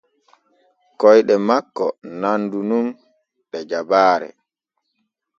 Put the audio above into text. Koyɗe makko nandu nun ɗe jabaare.